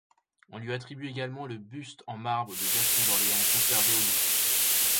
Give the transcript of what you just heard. On lui attribue également le buste en marbre de Gaston d'Orléans conservé au Louvre.